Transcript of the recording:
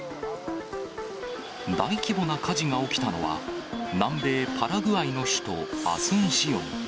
大規模な火事が起きたのは、南米パラグアイの首都アスンシオン。